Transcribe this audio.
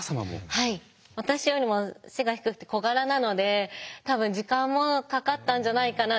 はい私よりも背が低くて小柄なので多分時間もかかったんじゃないかなって。